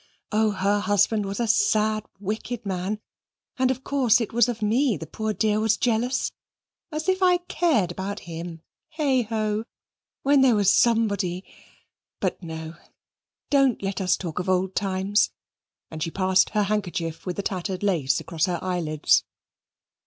Oh, her husband was a sad wicked man, and of course it was of me that the poor dear was jealous. As if I cared about him, heigho! when there was somebody but no don't let us talk of old times"; and she passed her handkerchief with the tattered lace across her eyelids.